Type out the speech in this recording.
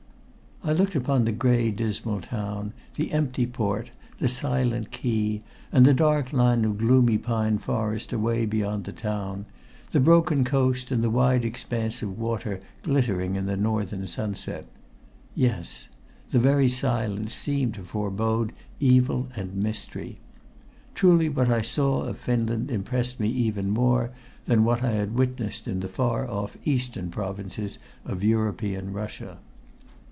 I looked upon the gray dismal scene, the empty port, the silent quay, the dark line of gloomy pine forest away beyond the town, the broken coast and the wide expanse of water glittering in the northern sunset. Yes. The very silence seemed to forbode evil and mystery. Truly what I saw of Finland impressed me even more than what I had witnessed in the far off eastern provinces of European Russia.